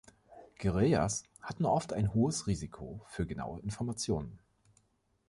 Guerillas hatten oft ein hohes Risiko für genaue Informationen.